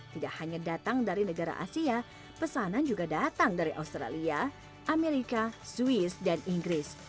tidak hanya datang dari negara asia pesanan juga datang dari australia amerika swiss dan inggris